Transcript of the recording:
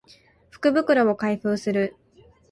福袋を開封する